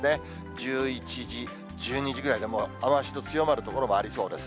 １１時、１２時ぐらいでもう雨足の強まる所もありそうです。